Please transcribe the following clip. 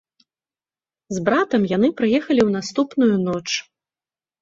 З братам яны прыехалі ў наступную ноч.